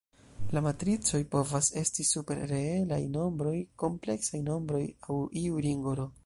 La matricoj povas esti super reelaj nombroj, kompleksaj nombroj aŭ iu ringo "R".